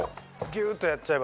ギューッとやっちゃえば。